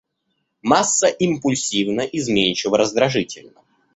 Масса импульсивна, изменчива, раздражительна.